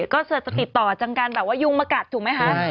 ก็จะติดต่อจังการแบบว่ายุงมากัดถูกไหมคะ